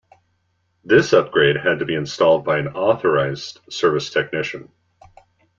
This upgrade had to be installed by an authorized service technician.